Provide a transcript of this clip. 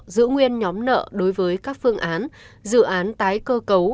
giữ nguyên nhóm nợ đối với các phương án dự án tái cơ cấu